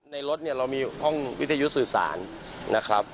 รถเนี่ยเรามีห้องวิทยุสื่อสารนะครับ